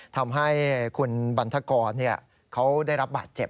ทำให้คุณบันทกรเขาได้รับบาดเจ็บ